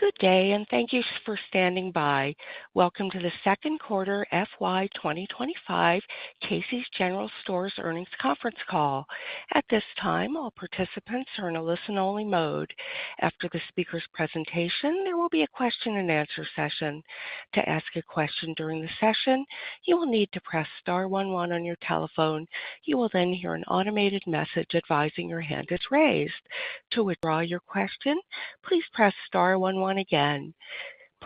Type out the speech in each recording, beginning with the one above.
Good day, and thank you for standing by. Welcome to the Second Quarter FY 2025 Casey's General Stores Earnings Conference Call. At this time, all participants are in a listen-only mode. After the speaker's presentation, there will be a Q&A session. To ask a question during the session, you will need to press star one one on your telephone. You will then hear an automated message advising your hand is raised. To withdraw your question, please press star one one again.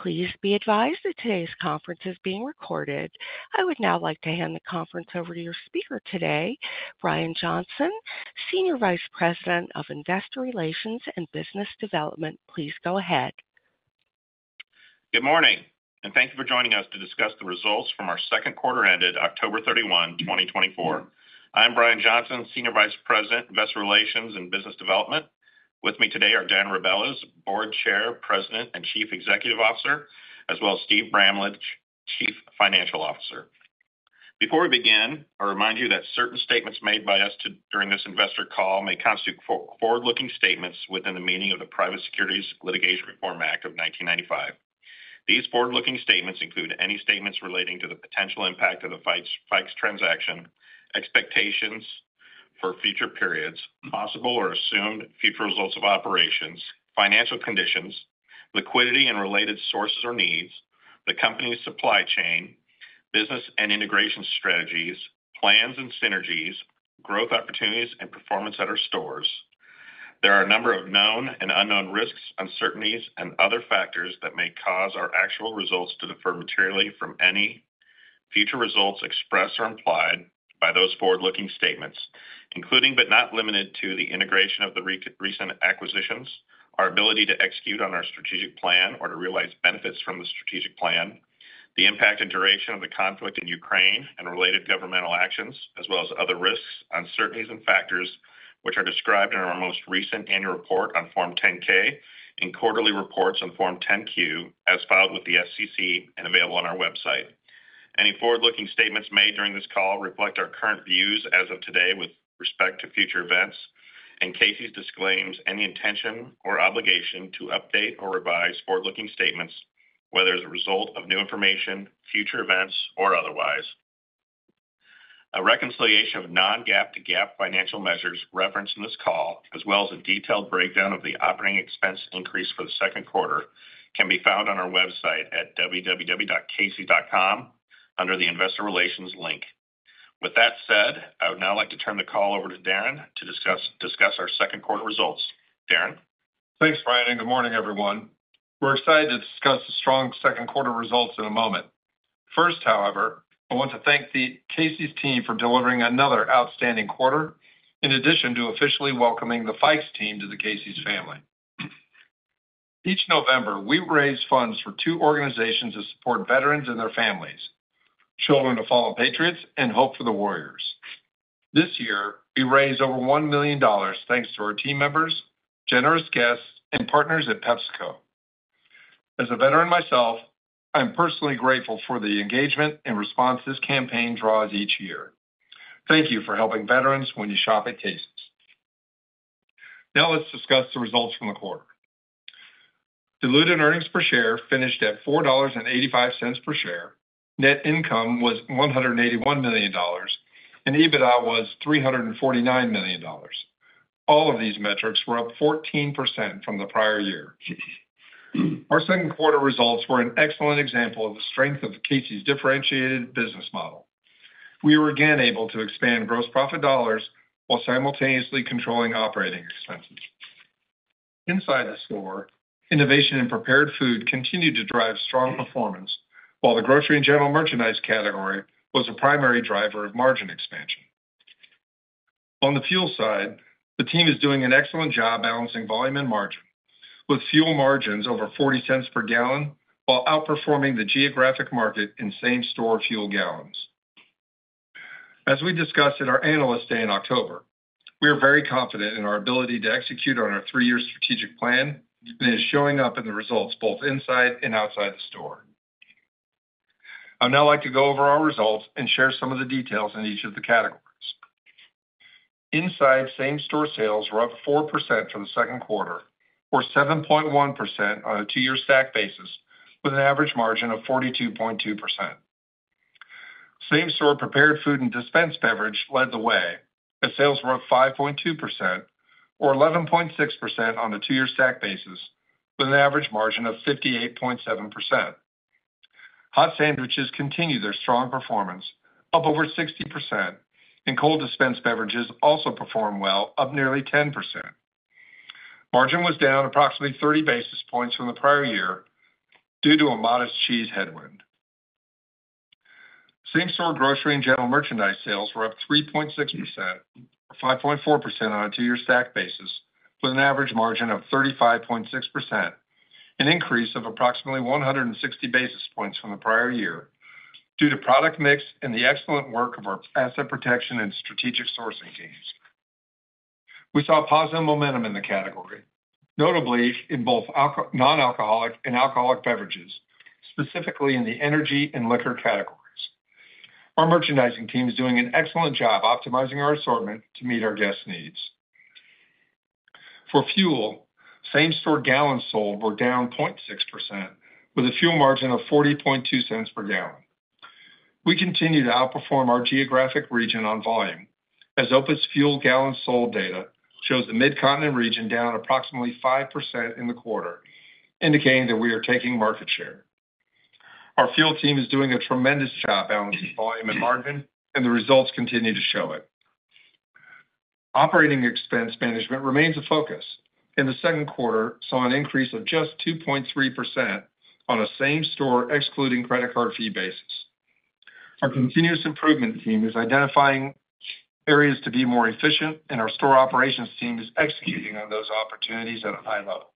Please be advised that today's conference is being recorded. I would now like to hand the conference over to your speaker today, Brian Johnson, Senior Vice President of Investor Relations and Business Development. Please go ahead. Good morning, and thank you for joining us to discuss the results from our second quarter ended October 31, 2024. I am Brian Johnson, Senior Vice President, Investor Relations and Business Development. With me today are Darren Rebelez, Board Chair, President, and Chief Executive Officer, as well as Steve Bramlage, Chief Financial Officer. Before we begin, I remind you that certain statements made by us during this investor call may constitute forward-looking statements within the meaning of the Private Securities Litigation Reform Act of 1995. These forward-looking statements include any statements relating to the potential impact of the Fikes transaction, expectations for future periods, possible or assumed future results of operations, financial conditions, liquidity and related sources or needs, the company's supply chain, business and integration strategies, plans and synergies, growth opportunities, and performance at our stores. There are a number of known and unknown risks, uncertainties, and other factors that may cause our actual results to differ materially from any future results expressed or implied by those forward-looking statements, including but not limited to the integration of the recent acquisitions, our ability to execute on our strategic plan or to realize benefits from the strategic plan, the impact and duration of the conflict in Ukraine and related governmental actions, as well as other risks, uncertainties, and factors which are described in our most recent annual report on Form 10-K and quarterly reports on Form 10-Q as filed with the SEC and available on our website. Any forward-looking statements made during this call reflect our current views as of today with respect to future events and Casey's disclaims any intention or obligation to update or revise forward-looking statements, whether as a result of new information, future events, or otherwise. A reconciliation of non-GAAP to GAAP financial measures referenced in this call, as well as a detailed breakdown of the operating expense increase for the second quarter, can be found on our website at www.caseys.com under the Investor Relations link. With that said, I would now like to turn the call over to Darren to discuss our second quarter results. Darren. Thanks, Brian. And good morning, everyone. We're excited to discuss the strong second quarter results in a moment. First, however, I want to thank the Casey's team for delivering another outstanding quarter, in addition to officially welcoming the Fikes team to the Casey's family. Each November, we raise funds for two organizations to support veterans and their families, Children of Fallen Patriots, and Hope For The Warriors. This year, we raised over $1 million thanks to our team members, generous guests, and partners at PepsiCo. As a veteran myself, I'm personally grateful for the engagement and response this campaign draws each year. Thank you for helping veterans when you shop at Casey's. Now let's discuss the results from the quarter. Diluted earnings per share finished at $4.85 per share. Net income was $181 million, and EBITDA was $349 million. All of these metrics were up 14% from the prior year. Our second quarter results were an excellent example of the strength of Casey's differentiated business model. We were again able to expand gross profit dollars while simultaneously controlling operating expenses. Inside the store, innovation in prepared food continued to drive strong performance, while the grocery and general merchandise category was a primary driver of margin expansion. On the fuel side, the team is doing an excellent job balancing volume and margin, with fuel margins over 40 cents per gallon while outperforming the geographic market in same-store fuel gallons. As we discussed in our analyst day in October, we are very confident in our ability to execute on our three-year strategic plan, and it is showing up in the results both inside and outside the store. I'd now like to go over our results and share some of the details in each of the categories. Inside, same-store sales were up 4% for the second quarter, or 7.1% on a two-year stack basis, with an average margin of 42.2%. Same-store prepared food and dispensed beverage led the way, as sales were up 5.2%, or 11.6% on a two-year stack basis, with an average margin of 58.7%. Hot sandwiches continued their strong performance, up over 60%, and cold dispensed beverages also performed well, up nearly 10%. Margin was down approximately 30 basis points from the prior year due to a modest cheese headwind. Same-store grocery and general merchandise sales were up 3.6%, or 5.4% on a two-year stack basis, with an average margin of 35.6%, an increase of approximately 160 basis points from the prior year due to product mix and the excellent work of our asset protection and strategic sourcing teams. We saw positive momentum in the category, notably in both non-alcoholic and alcoholic beverages, specifically in the energy and liquor categories. Our merchandising team is doing an excellent job optimizing our assortment to meet our guests' needs. For fuel, same-store gallons sold were down 0.6%, with a fuel margin of $0.402 per gallon. We continue to outperform our geographic region on volume, as OPIS fuel gallons sold data shows the Mid-Continent region down approximately 5% in the quarter, indicating that we are taking market share. Our fuel team is doing a tremendous job balancing volume and margin, and the results continue to show it. Operating expense management remains a focus, and the second quarter saw an increase of just 2.3% on a same-store excluding credit card fee basis. Our continuous improvement team is identifying areas to be more efficient, and our store operations team is executing on those opportunities at a high level.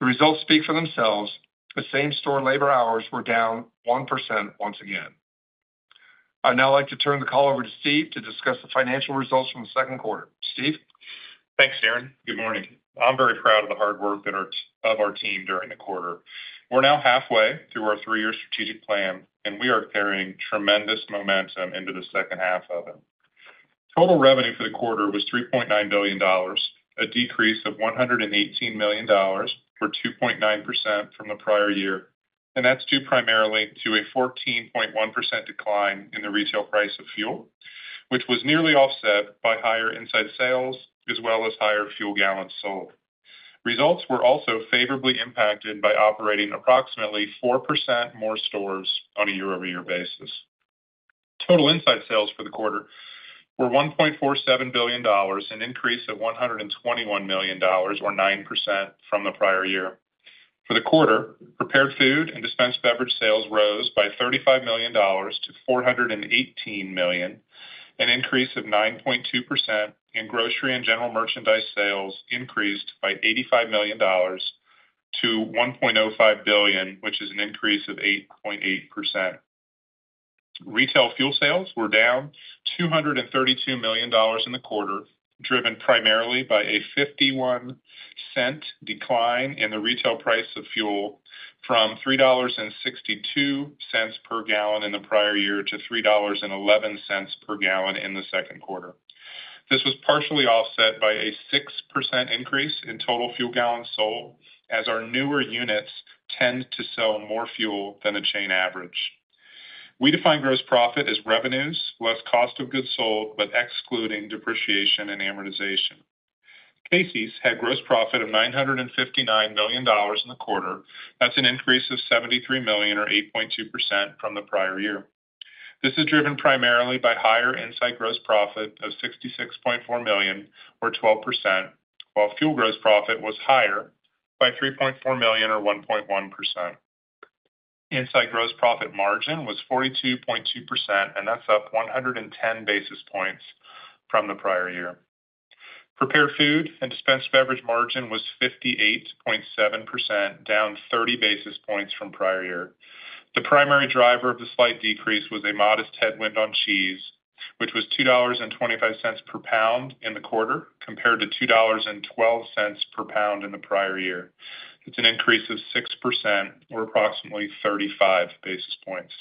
The results speak for themselves. The same-store labor hours were down 1% once again. I'd now like to turn the call over to Steve to discuss the financial results from the second quarter. Steve? Thanks, Darren. Good morning. I'm very proud of the hard work of our team during the quarter. We're now halfway through our three-year strategic plan, and we are carrying tremendous momentum into the second half of it. Total revenue for the quarter was $3.9 billion, a decrease of $118 million or 2.9% from the prior year. And that's due primarily to a 14.1% decline in the retail price of fuel, which was nearly offset by higher inside sales as well as higher fuel gallons sold. Results were also favorably impacted by operating approximately 4% more stores on a year-over-year basis. Total inside sales for the quarter were $1.47 billion, an increase of $121 million, or 9% from the prior year. For the quarter, prepared food and dispensed beverage sales rose by $35 million to $418 million, an increase of 9.2%, and grocery and general merchandise sales increased by $85 million to $1.05 billion, which is an increase of 8.8%. Retail fuel sales were down $232 million in the quarter, driven primarily by a $0.51 decline in the retail price of fuel from $3.62 per gallon in the prior year to $3.11 per gallon in the second quarter. This was partially offset by a 6% increase in total fuel gallons sold, as our newer units tend to sell more fuel than the chain average. We define gross profit as revenues, less cost of goods sold, but excluding depreciation and amortization. Casey's had gross profit of $959 million in the quarter. That's an increase of $73 million, or 8.2%, from the prior year. This is driven primarily by higher inside gross profit of $66.4 million, or 12%, while fuel gross profit was higher by $3.4 million, or 1.1%. Inside gross profit margin was 42.2%, and that's up 110 basis points from the prior year. Prepared food and dispensed beverage margin was 58.7%, down 30 basis points from prior year. The primary driver of the slight decrease was a modest headwind on cheese, which was $2.25 per pound in the quarter compared to $2.12 per pound in the prior year. It's an increase of 6%, or approximately 35 basis points.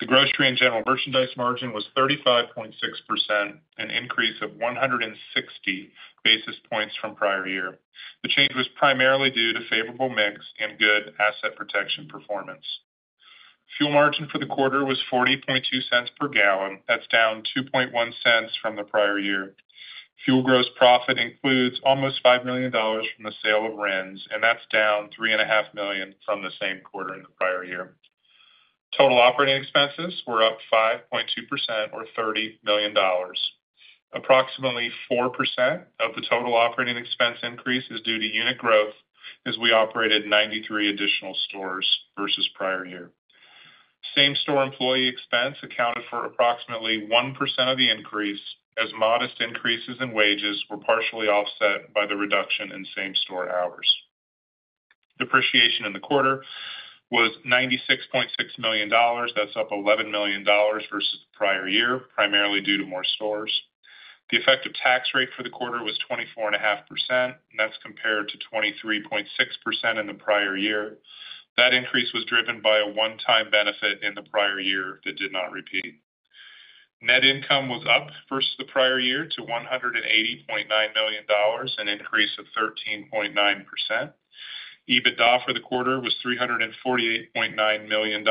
The grocery and general merchandise margin was 35.6%, an increase of 160 basis points from prior year. The change was primarily due to favourable mix and good asset protection performance. Fuel margin for the quarter was $0.42 per gallon. That's down $0.21 cents from the prior year. Fuel gross profit includes almost $5 million from the sale of RINs, and that's down $3.5 million from the same quarter in the prior year. Total operating expenses were up 5.2%, or $30 million. Approximately 4% of the total operating expense increase is due to unit growth as we operated 93 additional stores versus prior year. Same-store employee expense accounted for approximately 1% of the increase, as modest increases in wages were partially offset by the reduction in same-store hours. Depreciation in the quarter was $96.6 million. That's up $11 million versus the prior year, primarily due to more stores. The effective tax rate for the quarter was 24.5%, and that's compared to 23.6% in the prior year. That increase was driven by a one-time benefit in the prior year that did not repeat. Net income was up versus the prior year to $180.9 million, an increase of 13.9%. EBITDA for the quarter was $348.9 million,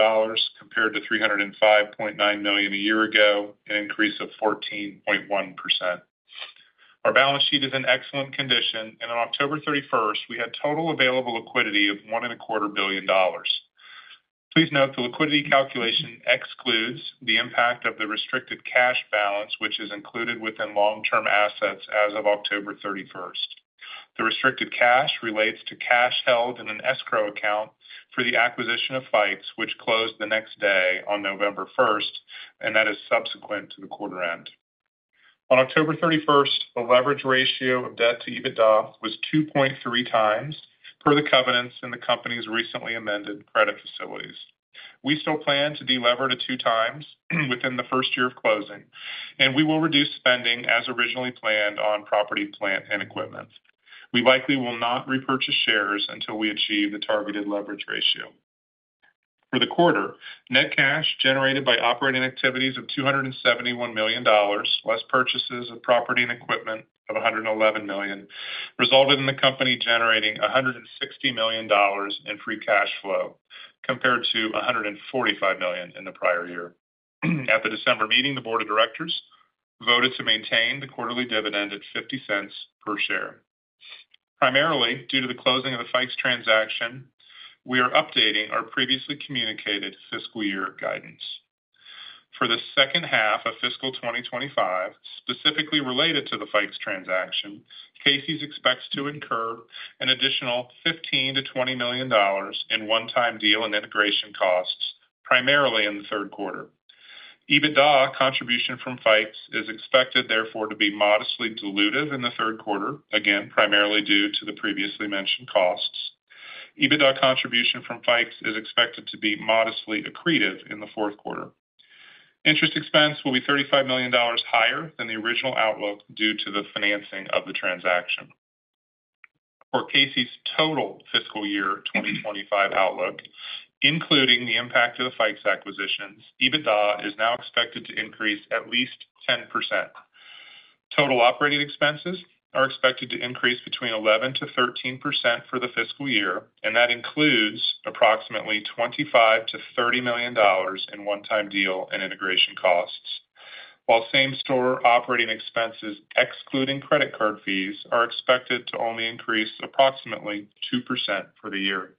compared to $305.9 million a year ago, an increase of 14.1%. Our balance sheet is in excellent condition, and on October 31st, we had total available liquidity of $1.25 billion. Please note the liquidity calculation excludes the impact of the restricted cash balance, which is included within long-term assets as of October 31st. The restricted cash relates to cash held in an escrow account for the acquisition of Fikes, which closed the next day on November 1st, and that is subsequent to the quarter end. On October 31st, the leverage ratio of debt to EBITDA was 2.3 times per the covenants in the company's recently amended credit facilities. We still plan to deleverage two times within the first year of closing, and we will reduce spending as originally planned on property, plant, and equipment. We likely will not repurchase shares until we achieve the targeted leverage ratio. For the quarter, net cash generated by operating activities of $271 million, less purchases of property and equipment of $111 million, resulted in the company generating $160 million in free cash flow, compared to $145 million in the prior year. At the December meeting, the board of directors voted to maintain the quarterly dividend at $0.50 per share. Primarily due to the closing of the Fikes transaction, we are updating our previously communicated fiscal year guidance. For the second half of fiscal 2025, specifically related to the Fikes transaction, Casey's expects to incur an additional $15 million-$20 million in one-time deal and integration costs, primarily in the third quarter. EBITDA contribution from Fikes is expected, therefore, to be modestly dilutive in the third quarter, again, primarily due to the previously mentioned costs. EBITDA contribution from Fikes is expected to be modestly accretive in the fourth quarter. Interest expense will be $35 million higher than the original outlook due to the financing of the transaction. For Casey's total fiscal year 2025 outlook, including the impact of the Fikes acquisitions, EBITDA is now expected to increase at least 10%. Total operating expenses are expected to increase between 11%-13% for the fiscal year, and that includes approximately $25 million-$30 million in one-time deal and integration costs, while same-store operating expenses, excluding credit card fees, are expected to only increase approximately 2% for the year.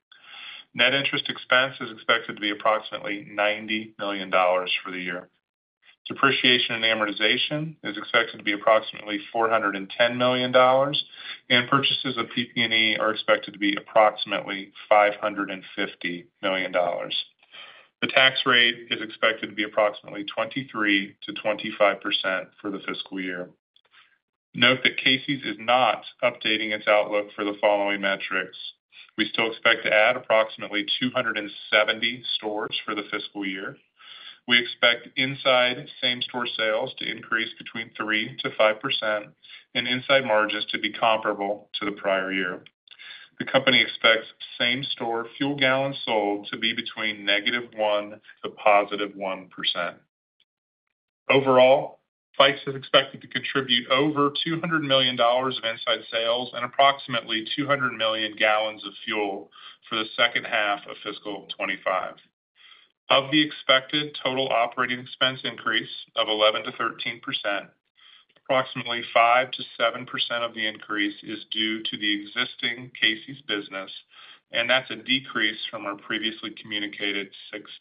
Net interest expense is expected to be approximately $90 million for the year. Depreciation and amortization is expected to be approximately $410 million, and purchases of PP&E are expected to be approximately $550 million. The tax rate is expected to be approximately 23%-25% for the fiscal year. Note that Casey's is not updating its outlook for the following metrics. We still expect to add approximately 270 stores for the fiscal year. We expect inside same-store sales to increase between 3%-5%, and inside margins to be comparable to the prior year. The company expects same-store fuel gallons sold to be between -1% to +1%. Overall, Fikes is expected to contribute over $200 million of inside sales and approximately 200 million gallons of fuel for the second half of fiscal 2025. Of the expected total operating expense increase of 11%-13%, approximately 5%-7% of the increase is due to the existing Casey's business, and that's a decrease from our previously communicated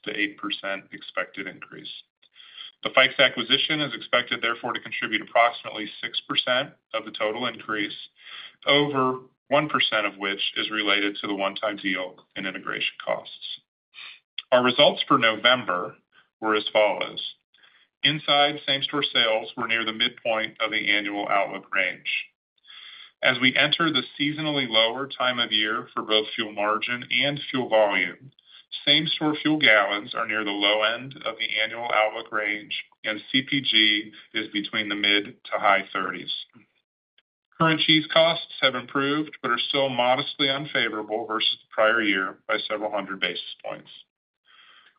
6%-8% expected increase. The Fikes acquisition is expected, therefore, to contribute approximately 6% of the total increase, over 1% of which is related to the one-time deal and integration costs. Our results for November were as follows. Inside same-store sales were near the midpoint of the annual outlook range. As we enter the seasonally lower time of year for both fuel margin and fuel volume, same-store fuel gallons are near the low end of the annual outlook range, and CPG is between the mid to high 30s. Current cheese costs have improved but are still modestly unfavorable versus the prior year by several hundred basis points.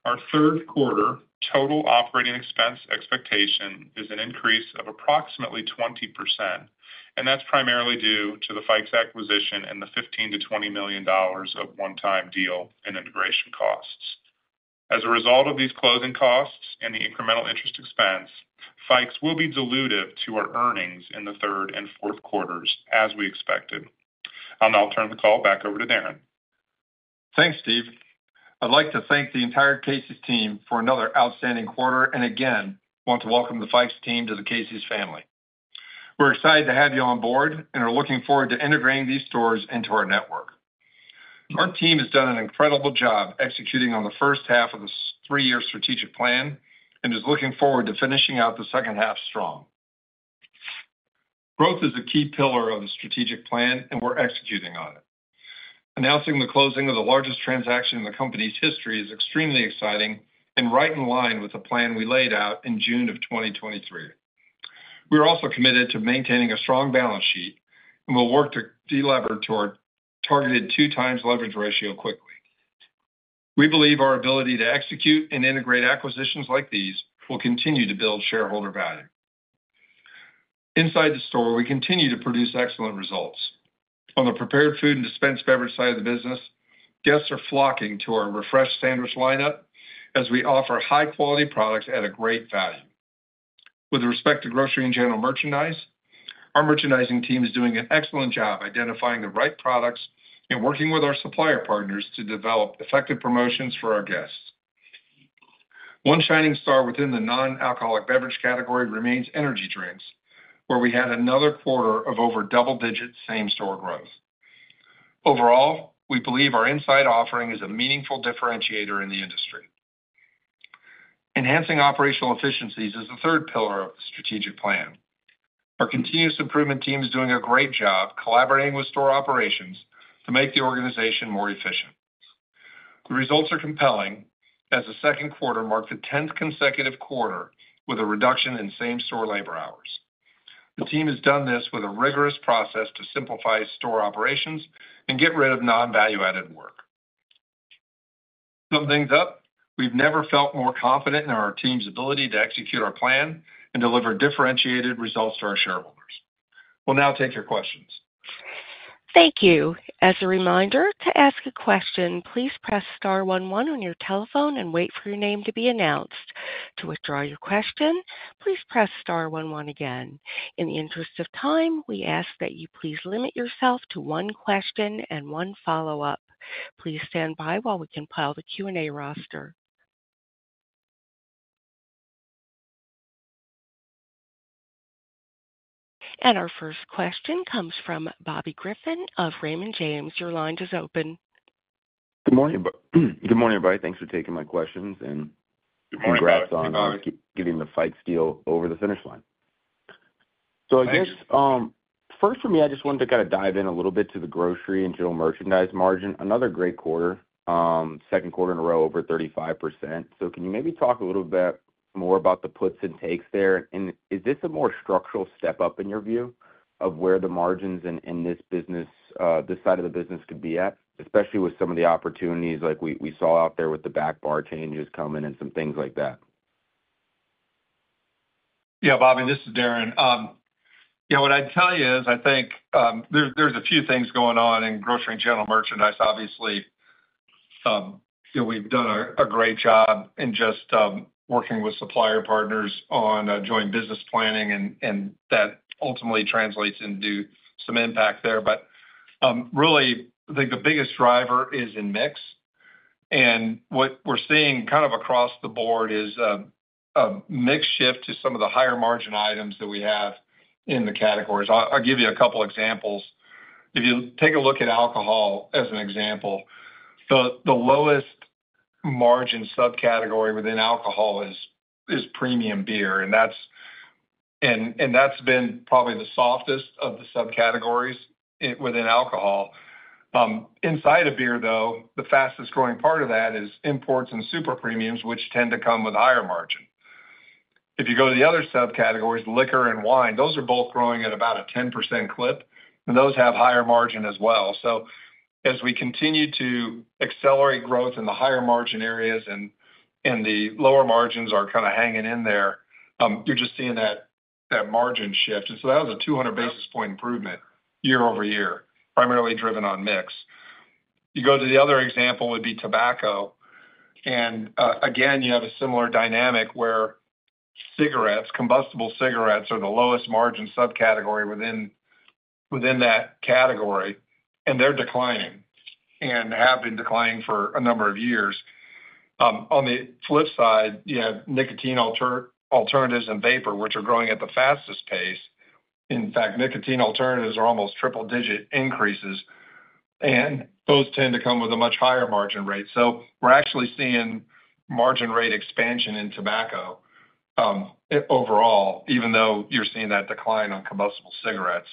Our third quarter total operating expense expectation is an increase of approximately 20%, and that's primarily due to the Fikes acquisition and the $15 million-$20 million of one-time deal and integration costs. As a result of these closing costs and the incremental interest expense, Fikes will be dilutive to our earnings in the third and fourth quarters, as we expected. I'll now turn the call back over to Darren. Thanks, Steve. I'd like to thank the entire Casey's team for another outstanding quarter, and again, want to welcome the Fikes team to the Casey's family. We're excited to have you on board and are looking forward to integrating these stores into our network. Our team has done an incredible job executing on the first half of the three-year strategic plan and is looking forward to finishing out the second half strong. Growth is a key pillar of the strategic plan, and we're executing on it. Announcing the closing of the largest transaction in the company's history is extremely exciting and right in line with the plan we laid out in June of 2023. We are also committed to maintaining a strong balance sheet and will work to deleverage to our targeted two-times leverage ratio quickly. We believe our ability to execute and integrate acquisitions like these will continue to build shareholder value. Inside the store, we continue to produce excellent results. On the prepared food and dispensed beverage side of the business, guests are flocking to our refreshed sandwich lineup as we offer high-quality products at a great value. With respect to grocery and general merchandise, our merchandising team is doing an excellent job identifying the right products and working with our supplier partners to develop effective promotions for our guests. One shining star within the non-alcoholic beverage category remains energy drinks, where we had another quarter of over double-digit same-store growth. Overall, we believe our inside offering is a meaningful differentiator in the industry. Enhancing operational efficiencies is the third pillar of the strategic plan. Our continuous improvement team is doing a great job collaborating with store operations to make the organization more efficient. The results are compelling as the second quarter marked the 10th consecutive quarter with a reduction in same-store labor hours. The team has done this with a rigorous process to simplify store operations and get rid of non-value-added work. To sum things up, we've never felt more confident in our team's ability to execute our plan and deliver differentiated results to our shareholders. We'll now take your questions. Thank you. As a reminder, to ask a question, please press star one one on your telephone and wait for your name to be announced. To withdraw your question, please press star one one again. In the interest of time, we ask that you please limit yourself to one question and one follow-up. Please stand by while we compile the Q&A roster, and our first question comes from Bobby Griffin of Raymond James. Your line is open. Good morning, everybody. Thanks for taking my questions and congrats on getting the Fikes deal over the finish line. So I guess first for me, I just wanted to kind of dive in a little bit to the grocery and general merchandise margin. Another great quarter, second quarter in a row, over 35%. So can you maybe talk a little bit more about the puts and takes there? And is this a more structural step up in your view of where the margins in this business, this side of the business could be at, especially with some of the opportunities like we saw out there with the back bar changes coming and some things like that? Yeah, Bobby, this is Darren. Yeah, what I'd tell you is I think there's a few things going on in grocery and general merchandise. Obviously, we've done a great job in just working with supplier partners on joint business planning, and that ultimately translates into some impact there. But really, I think the biggest driver is in mix. And what we're seeing kind of across the board is a mixed shift to some of the higher margin items that we have in the categories. I'll give you a couple of examples. If you take a look at alcohol as an example, the lowest margin subcategory within alcohol is premium beer, and that's been probably the softest of the subcategories within alcohol. Inside of beer, though, the fastest growing part of that is imports and super premiums, which tend to come with higher margin. If you go to the other subcategories, liquor and wine, those are both growing at about a 10% clip, and those have higher margin as well. So as we continue to accelerate growth in the higher margin areas and the lower margins are kind of hanging in there, you're just seeing that margin shift. And so that was a 200 basis point improvement year over year, primarily driven on mix. You go to the other example would be tobacco. And again, you have a similar dynamic where cigarettes, combustible cigarettes, are the lowest margin subcategory within that category, and they're declining and have been declining for a number of years. On the flip side, you have nicotine alternatives and vapor, which are growing at the fastest pace. In fact, nicotine alternatives are almost triple-digit increases, and those tend to come with a much higher margin rate. So we're actually seeing margin rate expansion in tobacco overall, even though you're seeing that decline on combustible cigarettes.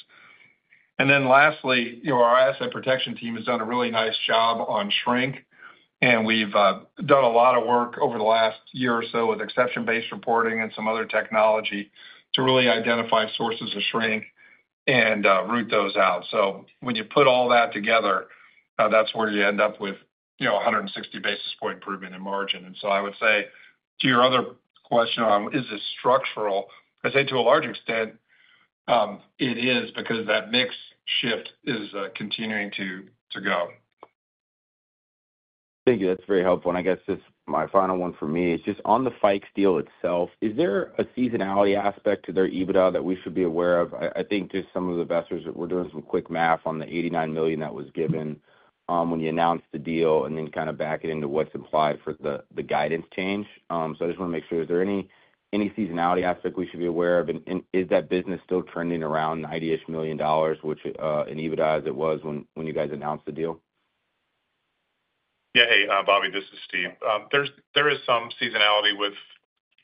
And then lastly, our asset protection team has done a really nice job on shrink, and we've done a lot of work over the last year or so with exception-based reporting and some other technology to really identify sources of shrink and root those out. So when you put all that together, that's where you end up with 160 basis point improvement in margin. And so I would say to your other question on, is this structural? I'd say to a large extent, it is because that mixed shift is continuing to go. Thank you. That's very helpful. And I guess my final one for me is just on the Fikes deal itself, is there a seasonality aspect to their EBITDA that we should be aware of? I think just some of the investors that we're doing some quick math on the $89 million that was given when you announced the deal and then kind of back it into what's implied for the guidance change. So I just want to make sure, is there any seasonality aspect we should be aware of? And is that business still trending around $90-ish million dollars, which in EBITDA as it was when you guys announced the deal? Yeah, hey, Bobby, this is Steve. There is some seasonality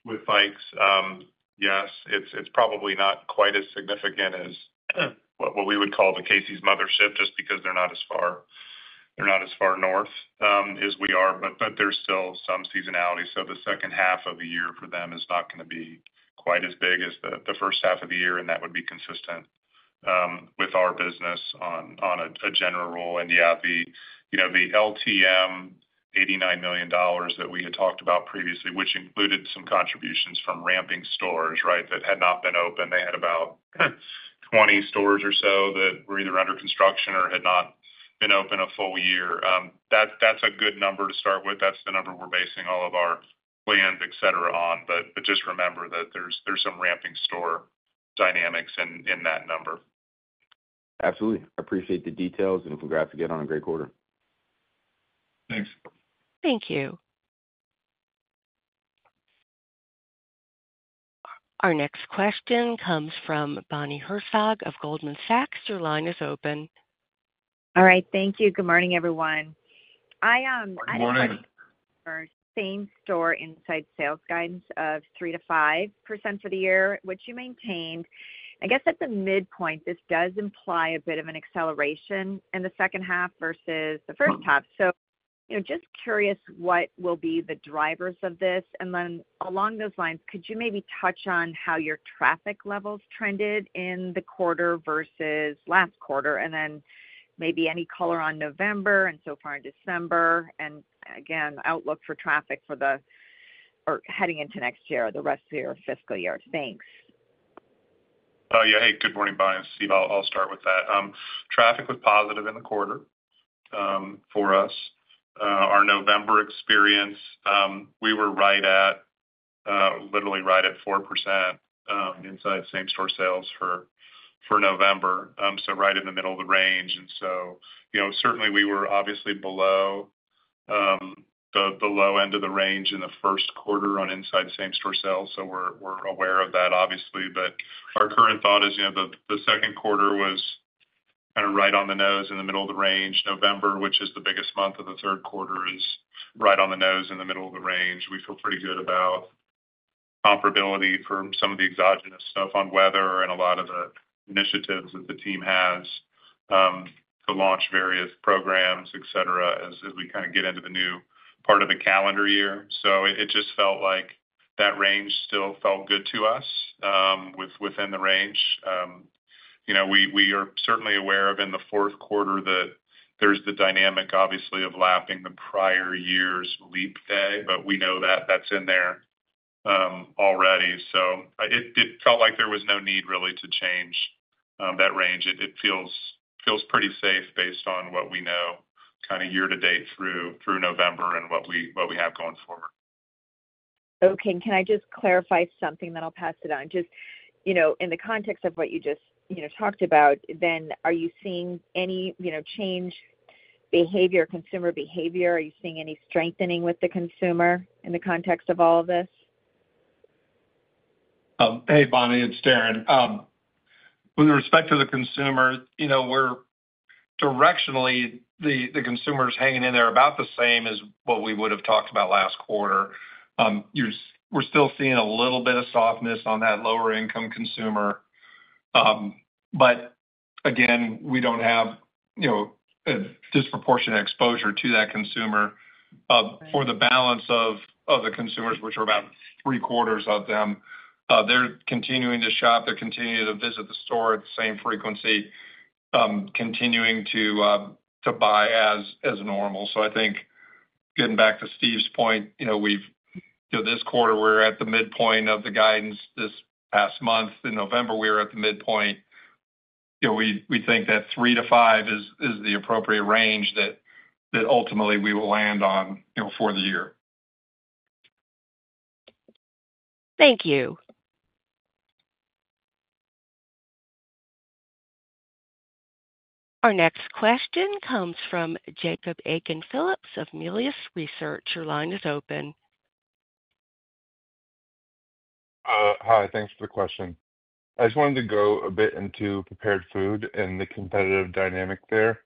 with Fikes. Yes, it's probably not quite as significant as what we would call the Casey's mothership just because they're not as far north as we are, but there's still some seasonality. So the second half of the year for them is not going to be quite as big as the first half of the year, and that would be consistent with our business on a general rule. And yeah, the LTM, $89 million that we had talked about previously, which included some contributions from ramping stores, right, that had not been open. They had about 20 stores or so that were either under construction or had not been open a full year. That's a good number to start with. That's the number we're basing all of our plans, etc., on. But just remember that there's some ramping store dynamics in that number. Absolutely. I appreciate the details and congrats again on a great quarter. Thanks. Thank you. Our next question comes from Bonnie Herzog of Goldman Sachs. Your line is open. All right. Thank you. Good morning, everyone. I have seen your same-store inside sales guidance of 3%-5% for the year, which you maintained. I guess at the midpoint, this does imply a bit of an acceleration in the second half versus the first half. So just curious what will be the drivers of this. And then along those lines, could you maybe touch on how your traffic levels trended in the quarter versus last quarter? And then maybe any color on November and so far in December? And again, outlook for traffic for the heading into next year or the rest of your fiscal year. Thanks. Yeah, hey, good morning, Bonnie and Steve. I'll start with that. Traffic was positive in the quarter for us. Our November experience, we were right at literally 4% inside same-store sales for November, so right in the middle of the range. And so certainly, we were obviously below the low end of the range in the first quarter on inside same-store sales. So we're aware of that, obviously. But our current thought is the second quarter was kind of right on the nose in the middle of the range. November, which is the biggest month of the third quarter, is right on the nose in the middle of the range. We feel pretty good about comparability for some of the exogenous stuff on weather and a lot of the initiatives that the team has to launch various programs, etc., as we kind of get into the new part of the calendar year. So it just felt like that range still felt good to us within the range. We are certainly aware of in the fourth quarter that there's the dynamic, obviously, of lapping the prior year's leap day, but we know that that's in there already. So it felt like there was no need really to change that range. It feels pretty safe based on what we know kind of year to date through November and what we have going forward. Okay. And can I just clarify something? Then I'll pass it on. Just in the context of what you just talked about, then are you seeing any change behavior, consumer behavior? Are you seeing any strengthening with the consumer in the context of all of this? Hey, Bonnie, it's Darren. With respect to the consumer, directionally, the consumer is hanging in there about the same as what we would have talked about last quarter. We're still seeing a little bit of softness on that lower-income consumer. But again, we don't have a disproportionate exposure to that consumer. For the balance of the consumers, which are about three-quarters of them, they're continuing to shop. They're continuing to visit the store at the same frequency, continuing to buy as normal. So I think getting back to Steve's point, this quarter, we're at the midpoint of the guidance. This past month in November, we were at the midpoint. We think that three to five is the appropriate range that ultimately we will land on for the year. Thank you. Our next question comes from Jacob Aiken-Phillips of Melius Research. Your line is open. Hi, thanks for the question. I just wanted to go a bit into prepared food and the competitive dynamic there.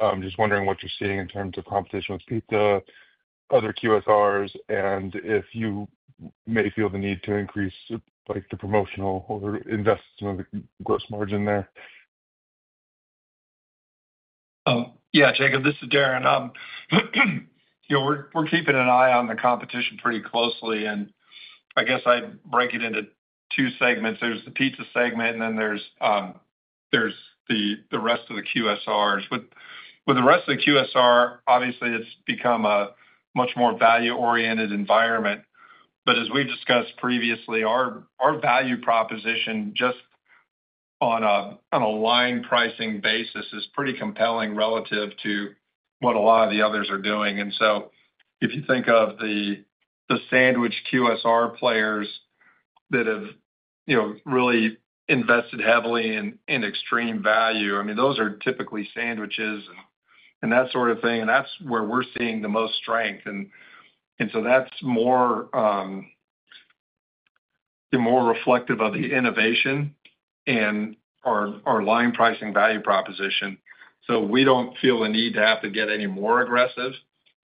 I'm just wondering what you're seeing in terms of competition with pizza, other QSRs, and if you may feel the need to increase the promotional or invest some of the gross margin there? Yeah, Jacob, this is Darren. We're keeping an eye on the competition pretty closely. I guess I'd break it into two segments. There's the pizza segment, and then there's the rest of the QSRs. With the rest of the QSR, obviously, it's become a much more value-oriented environment. But as we've discussed previously, our value proposition just on a line pricing basis is pretty compelling relative to what a lot of the others are doing. And so if you think of the sandwich QSR players that have really invested heavily in extreme value, I mean, those are typically sandwiches and that sort of thing. And that's where we're seeing the most strength. And so that's more reflective of the innovation and our line pricing value proposition. So we don't feel the need to have to get any more aggressive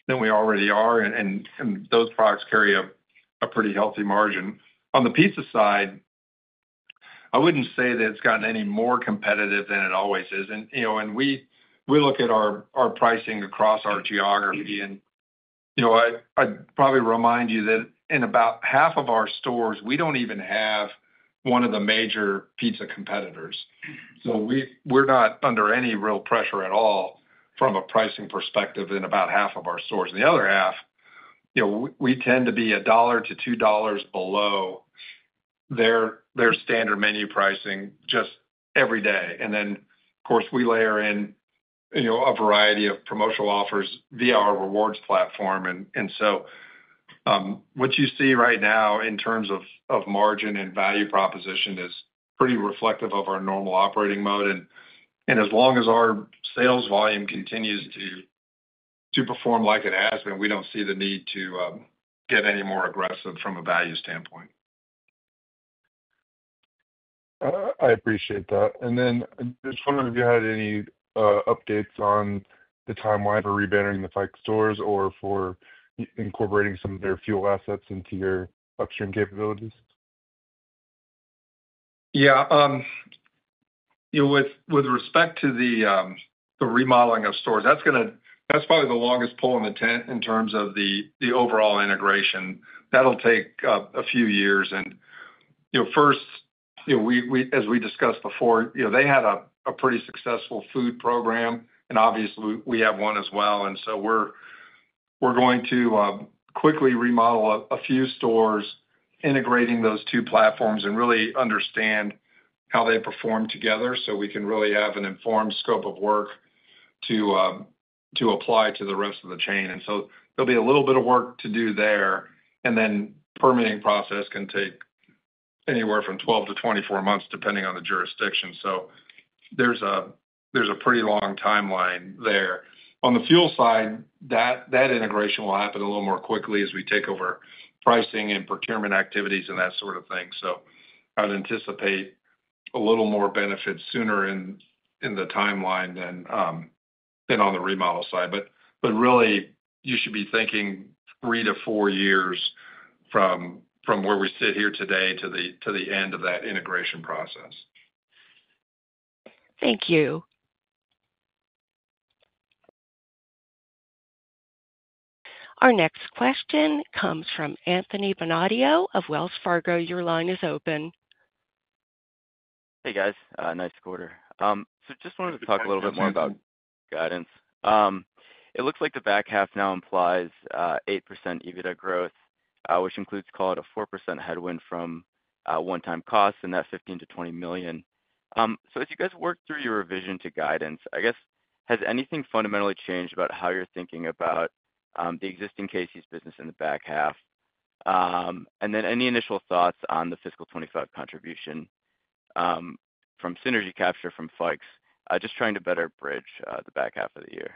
than we already are. And those products carry a pretty healthy margin. On the pizza side, I wouldn't say that it's gotten any more competitive than it always is. And we look at our pricing across our geography. And I'd probably remind you that in about half of our stores, we don't even have one of the major pizza competitors. So we're not under any real pressure at all from a pricing perspective in about half of our stores. And the other half, we tend to be $1-$2 below their standard menu pricing just every day. And then, of course, we layer in a variety of promotional offers via our rewards platform. And so what you see right now in terms of margin and value proposition is pretty reflective of our normal operating mode. As long as our sales volume continues to perform like it has been, we don't see the need to get any more aggressive from a value standpoint. I appreciate that, and then just wondering if you had any updates on the timeline for re-bannering the Fikes stores or for incorporating some of their fuel assets into your upstream capabilities? Yeah. With respect to the remodeling of stores, that's probably the longest pull in the tent in terms of the overall integration. That'll take a few years. And first, as we discussed before, they had a pretty successful food program. And obviously, we have one as well. And so we're going to quickly remodel a few stores, integrating those two platforms and really understand how they perform together so we can really have an informed scope of work to apply to the rest of the chain. And so there'll be a little bit of work to do there. And then the permitting process can take anywhere from 12-24 months depending on the jurisdiction. So there's a pretty long timeline there. On the fuel side, that integration will happen a little more quickly as we take over pricing and procurement activities and that sort of thing. So I'd anticipate a little more benefit sooner in the timeline than on the remodel side. But really, you should be thinking three to four years from where we sit here today to the end of that integration process. Thank you. Our next question comes from Anthony Bonadio of Wells Fargo. Your line is open. Hey, guys. Nice quarter. So just wanted to talk a little bit more about guidance. It looks like the back half now implies 8% EBITDA growth, which includes call it a 4% headwind from one-time costs and that $15 million-$20 million. So as you guys work through your revision to guidance, I guess, has anything fundamentally changed about how you're thinking about the existing Casey's business in the back half? And then any initial thoughts on the fiscal 2025 contribution from Synergy Capture from Fikes, just trying to better bridge the back half of the year?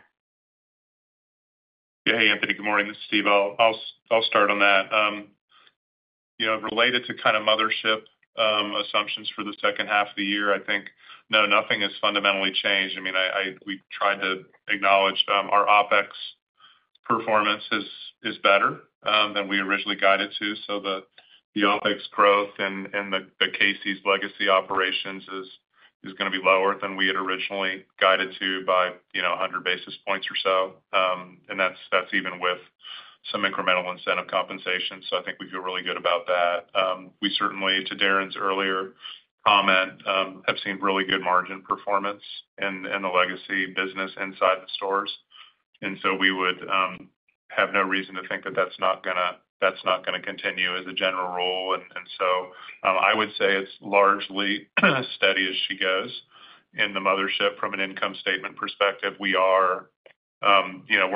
Yeah, hey, Anthony. Good morning. This is Steve. I'll start on that. Related to kind of mothership assumptions for the second half of the year, I think nothing has fundamentally changed. I mean, we tried to acknowledge our OpEx performance is better than we originally guided to. So the OpEx growth and the Casey's legacy operations is going to be lower than we had originally guided to by 100 basis points or so, and that's even with some incremental incentive compensation, so I think we feel really good about that. We certainly, to Darren's earlier comment, have seen really good margin performance in the legacy business inside the stores, and so we would have no reason to think that that's not going to continue as a general rule, and so I would say it's largely steady as she goes. In the mothership, from an income statement perspective, we're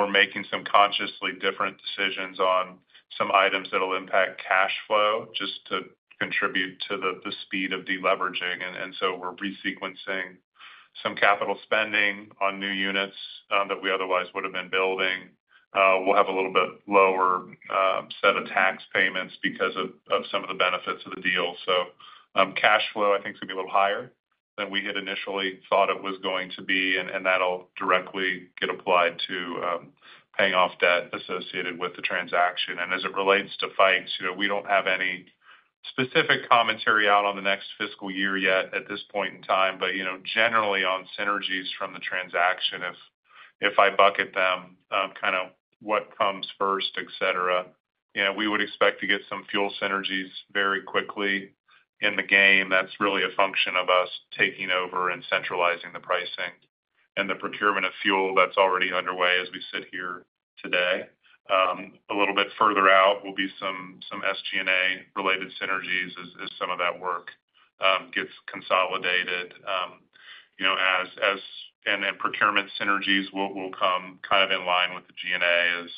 making some consciously different decisions on some items that will impact cash flow just to contribute to the speed of deleveraging, and so we're resequencing some capital spending on new units that we otherwise would have been building. We'll have a little bit lower set of tax payments because of some of the benefits of the deal, so cash flow, I think, is going to be a little higher than we had initially thought it was going to be, and that'll directly get applied to paying off debt associated with the transaction, and as it relates to Fikes, we don't have any specific commentary out on the next fiscal year yet at this point in time. But generally, on synergies from the transaction, if I bucket them kind of what comes first, etc., we would expect to get some fuel synergies very quickly in the game. That's really a function of us taking over and centralizing the pricing and the procurement of fuel that's already underway as we sit here today. A little bit further out will be some SG&A-related synergies as some of that work gets consolidated. And procurement synergies will come kind of in line with the G&A as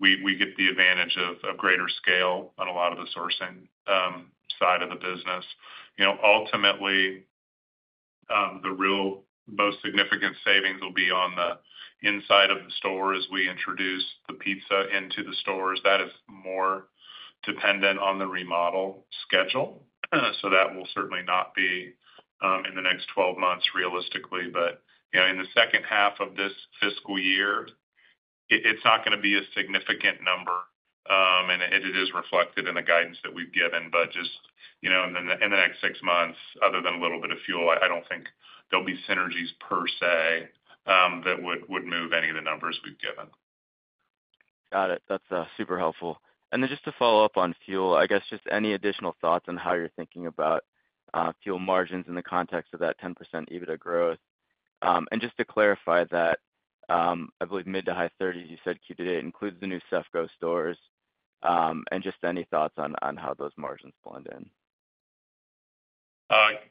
we get the advantage of greater scale on a lot of the sourcing side of the business. Ultimately, the real most significant savings will be on the inside of the store as we introduce the pizza into the stores. That is more dependent on the remodel schedule. So that will certainly not be in the next 12 months realistically. But in the second half of this fiscal year, it's not going to be a significant number. And it is reflected in the guidance that we've given. But just in the next six months, other than a little bit of fuel, I don't think there'll be synergies per se that would move any of the numbers we've given. Got it. That's super helpful. And then just to follow up on fuel, I guess just any additional thoughts on how you're thinking about fuel margins in the context of that 10% EBITDA growth? And just to clarify that, I believe mid to high 30s, you said Q to date includes the new CEFCO stores. And just any thoughts on how those margins blend in?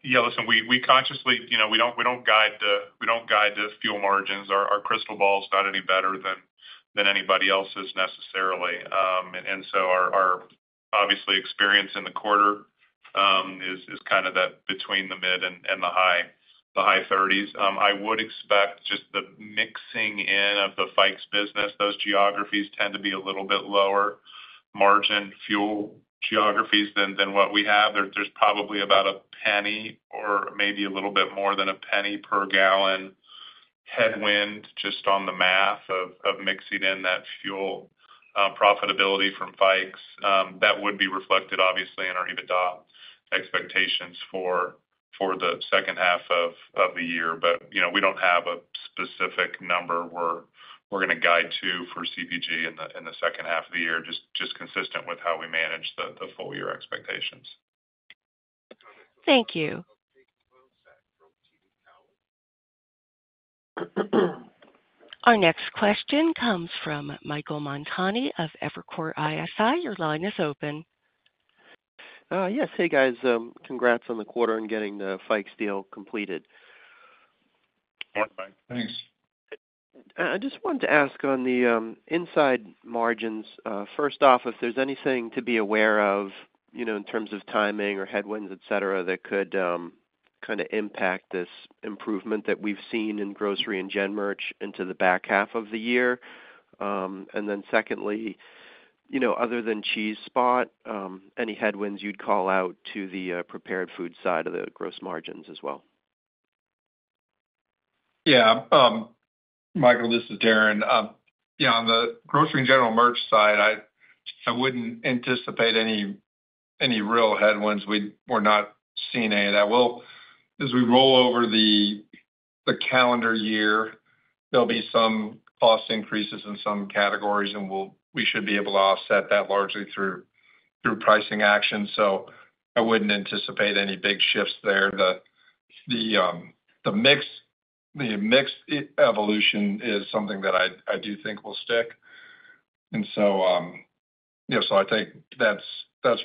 Yeah. Listen, we consciously don't guide the fuel margins. Our crystal ball is not any better than anybody else's necessarily. And so our obvious experience in the quarter is kind of that between the mid and the high 30s. I would expect just the mixing in of the Fikes business. Those geographies tend to be a little bit lower margin fuel geographies than what we have. There's probably about $0.01 or maybe a little bit more than $0.01 per gallon headwind just on the math of mixing in that fuel profitability from Fikes. That would be reflected, obviously, in our EBITDA expectations for the second half of the year. But we don't have a specific number we're going to guide to for CPG in the second half of the year, just consistent with how we manage the full year expectations. Thank you. Our next question comes from Michael Montani of Evercore ISI. Your line is open. Yes. Hey, guys. Congrats on the quarter and getting the Fikes deal completed. All right. Thanks. I just wanted to ask on the inside margins, first off, if there's anything to be aware of in terms of timing or headwinds, etc., that could kind of impact this improvement that we've seen in grocery and gen merch into the back half of the year, and then secondly, other than cheese spot, any headwinds you'd call out to the prepared food side of the gross margins as well? Yeah. Michael, this is Darren on the grocery and general merch side. I wouldn't anticipate any real headwinds. We're not seeing any of that. As we roll over the calendar year, there'll be some cost increases in some categories. And we should be able to offset that largely through pricing action. So I wouldn't anticipate any big shifts there. The mix evolution is something that I do think will stick. And so I think that's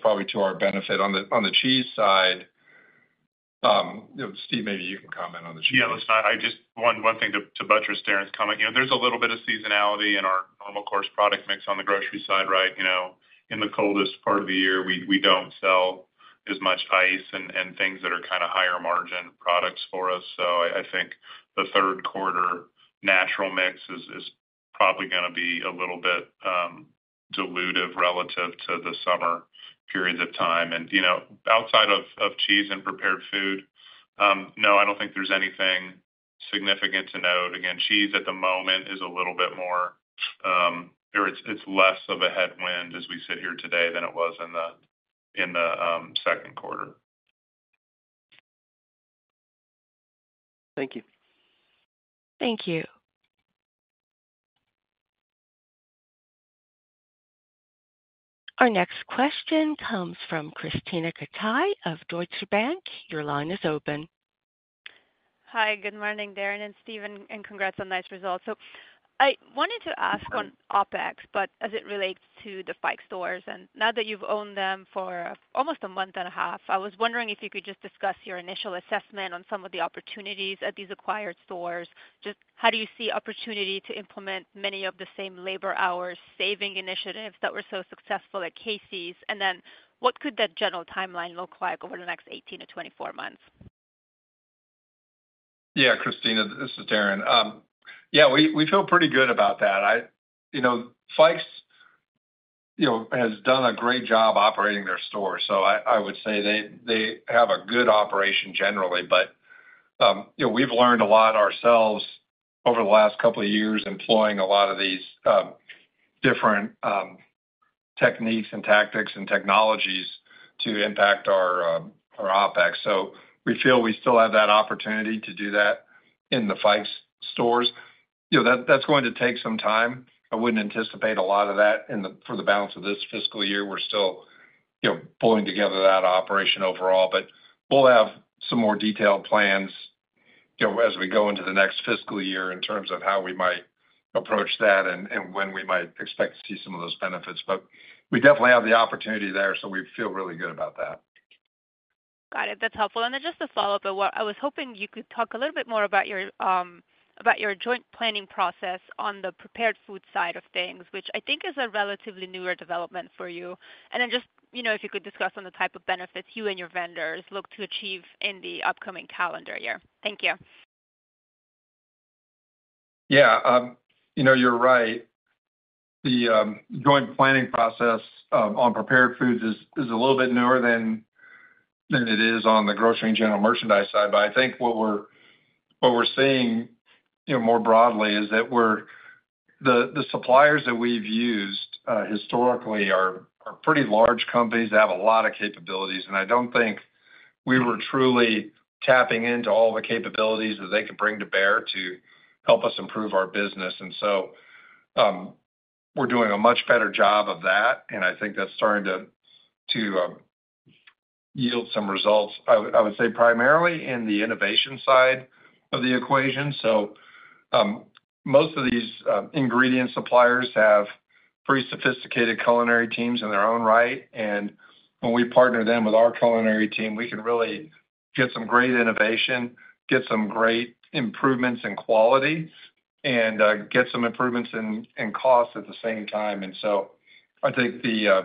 probably to our benefit. On the cheese side, Steve, maybe you can comment on the cheese. Yeah. Listen, one thing to buttress Darren's comment, there's a little bit of seasonality in our normal course product mix on the grocery side, right? In the coldest part of the year, we don't sell as much ice and things that are kind of higher margin products for us. So I think the third quarter natural mix is probably going to be a little bit dilutive relative to the summer periods of time. And outside of cheese and prepared food, no, I don't think there's anything significant to note. Again, cheese at the moment is a little bit more or it's less of a headwind as we sit here today than it was in the second quarter. Thank you. Thank you. Our next question comes from Krisztina Katai of Deutsche Bank. Your line is open. Hi. Good morning, Darren and Steve. And congrats on nice results. So I wanted to ask on OpEx, but as it relates to the Fikes stores. And now that you've owned them for almost a month and a half, I was wondering if you could just discuss your initial assessment on some of the opportunities at these acquired stores. Just how do you see opportunity to implement many of the same labor hours saving initiatives that were so successful at Casey's? And then what could that general timeline look like over the next 18-24 months? Yeah. Krisztina, this is Darren. Yeah, we feel pretty good about that. Fikes has done a great job operating their stores. So I would say they have a good operation generally. But we've learned a lot ourselves over the last couple of years employing a lot of these different techniques and tactics and technologies to impact our OPEX. So we feel we still have that opportunity to do that in the Fikes stores. That's going to take some time. I wouldn't anticipate a lot of that for the balance of this fiscal year. We're still pulling together that operation overall. But we'll have some more detailed plans as we go into the next fiscal year in terms of how we might approach that and when we might expect to see some of those benefits. But we definitely have the opportunity there. So we feel really good about that. Got it. That's helpful. And then just to follow up, I was hoping you could talk a little bit more about your joint planning process on the prepared food side of things, which I think is a relatively newer development for you. And then just if you could discuss on the type of benefits you and your vendors look to achieve in the upcoming calendar year. Thank you. Yeah. You're right. The joint planning process on prepared foods is a little bit newer than it is on the grocery and general merchandise side. But I think what we're seeing more broadly is that the suppliers that we've used historically are pretty large companies that have a lot of capabilities. And I don't think we were truly tapping into all the capabilities that they could bring to bear to help us improve our business. And so we're doing a much better job of that. And I think that's starting to yield some results, I would say, primarily in the innovation side of the equation. So most of these ingredient suppliers have pretty sophisticated culinary teams in their own right. And when we partner them with our culinary team, we can really get some great innovation, get some great improvements in quality, and get some improvements in cost at the same time. And so I think the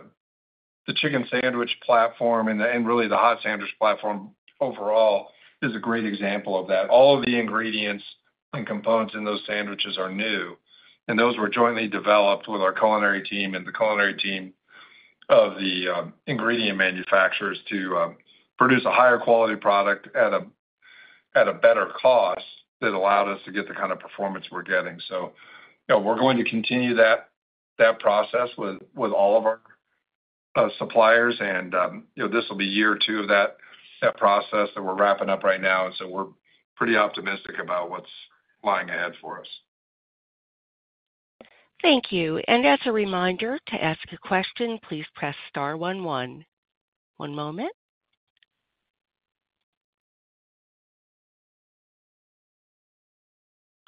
chicken sandwich platform and really the hot sandwich platform overall is a great example of that. All of the ingredients and components in those sandwiches are new. And those were jointly developed with our culinary team and the culinary team of the ingredient manufacturers to produce a higher quality product at a better cost that allowed us to get the kind of performance we're getting. So we're going to continue that process with all of our suppliers. And this will be year two of that process that we're wrapping up right now. And so we're pretty optimistic about what's lying ahead for us. Thank you. And as a reminder, to ask a question, please press star one one. One moment.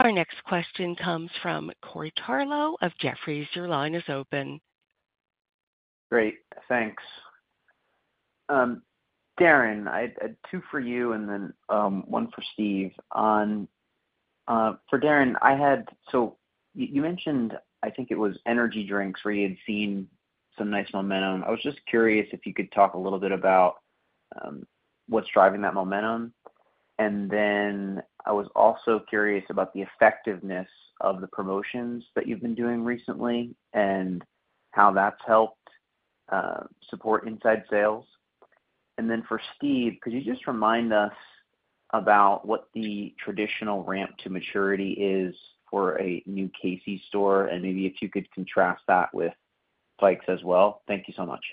Our next question comes from Corey Tarlowe of Jefferies. Your line is open. Great. Thanks. Darren, two for you and then one for Steve. For Darren, I had so you mentioned, I think it was energy drinks where you had seen some nice momentum. I was just curious if you could talk a little bit about what's driving that momentum. And then I was also curious about the effectiveness of the promotions that you've been doing recently and how that's helped support inside sales. And then for Steve, could you just remind us about what the traditional ramp to maturity is for a new Casey's store? And maybe if you could contrast that with Fikes as well. Thank you so much.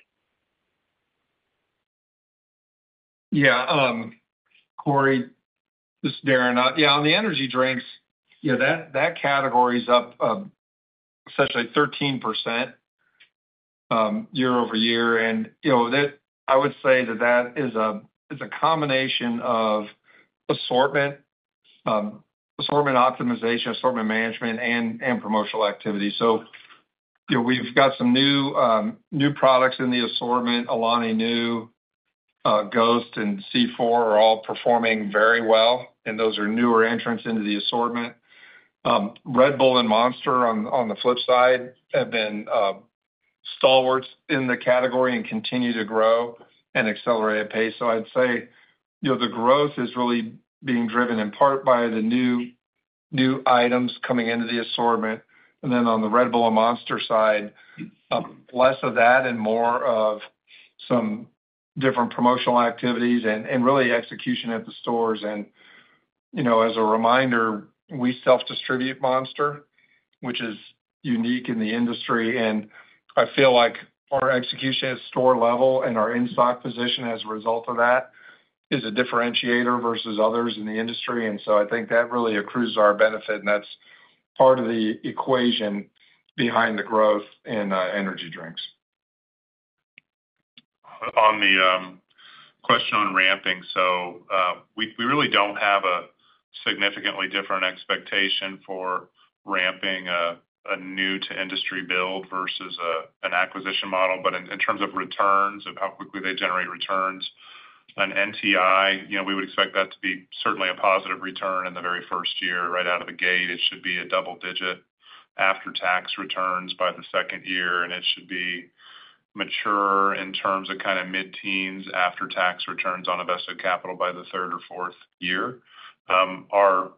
Yeah. Corey, this is Darren. Yeah. On the energy drinks, that category is up essentially 13% year over year, and I would say that that is a combination of assortment, assortment optimization, assortment management, and promotional activity, so we've got some new products in the assortment. Alani Nu, Ghost, and C4 are all performing very well, and those are newer entrants into the assortment. Red Bull and Monster, on the flip side, have been stalwarts in the category and continue to grow at an accelerated pace, so I'd say the growth is really being driven in part by the new items coming into the assortment, and then on the Red Bull and Monster side, less of that and more of some different promotional activities and really execution at the stores, and as a reminder, we self-distribute Monster, which is unique in the industry. And I feel like our execution at store level and our in-stock position as a result of that is a differentiator versus others in the industry. And so I think that really accrues our benefit. And that's part of the equation behind the growth in energy drinks. On the question on ramping, so we really don't have a significantly different expectation for ramping a new-to-industry build versus an acquisition model. But in terms of returns, of how quickly they generate returns, an NTI, we would expect that to be certainly a positive return in the very first year. Right out of the gate, it should be a double-digit after-tax returns by the second year. And it should be mature in terms of kind of mid-teens after-tax returns on invested capital by the third or fourth year. Our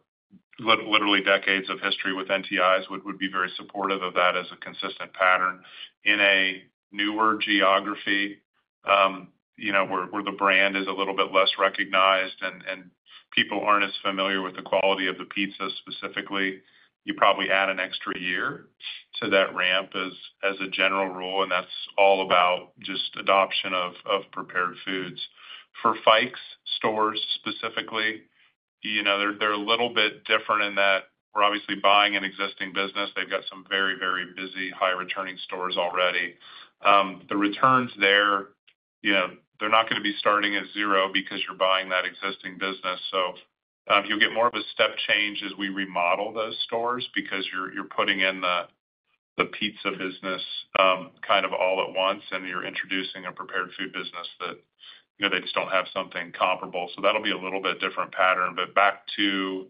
literally decades of history with NTIs would be very supportive of that as a consistent pattern. In a newer geography where the brand is a little bit less recognized and people aren't as familiar with the quality of the pizza specifically, you probably add an extra year to that ramp as a general rule. That's all about just adoption of prepared foods. For Fikes stores specifically, they're a little bit different in that we're obviously buying an existing business. They've got some very, very busy high-returning stores already. The returns there, they're not going to be starting at zero because you're buying that existing business. So you'll get more of a step change as we remodel those stores because you're putting in the pizza business kind of all at once. And you're introducing a prepared food business that they just don't have something comparable. So that'll be a little bit different pattern. But back to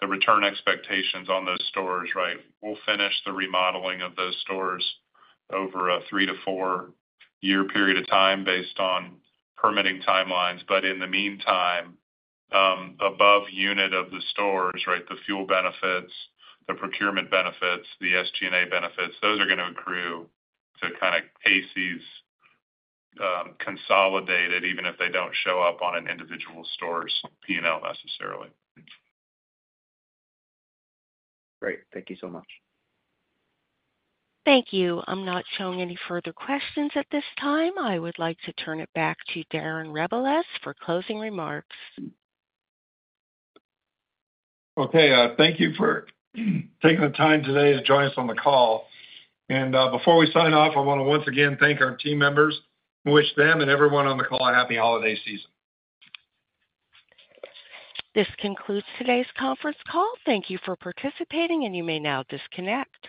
the return expectations on those stores, right? We'll finish the remodeling of those stores over a three to four-year period of time based on permitting timelines. But in the meantime, above unit of the stores, right, the fuel benefits, the procurement benefits, the SG&A benefits, those are going to accrue to kind of Casey's consolidated, even if they don't show up on an individual store's P&L necessarily. Great. Thank you so much. Thank you. I'm not showing any further questions at this time. I would like to turn it back to Darren Rebelez for closing remarks. Okay. Thank you for taking the time today to join us on the call. And before we sign off, I want to once again thank our team members and wish them and everyone on the call a happy holiday season. This concludes today's conference call. Thank you for participating, and you may now disconnect.